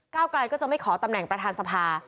กลายก็จะไม่ขอตำแหน่งประธานสภา